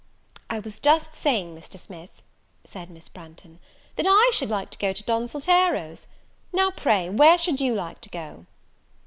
"I was just saying, Mr. Smith," said Miss Branghton, "that I should like to go to Don Saltero's; now, pray, where should you like to go?"